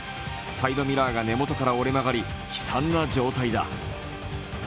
サイドミラーが根本から折れ曲がり、悲惨な状態だ。